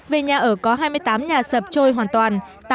về nhà ở có hai mươi tám nhà sập trôi hoàn toàn